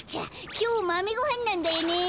きょうまめごはんなんだよね。